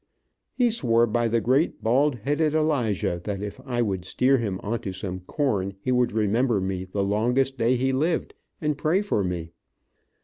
He swore by the great bald headed Elijah that if I would steer him onto some corn he would remember me the longest day he lived, and pray for me.